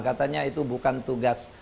katanya itu bukan tugas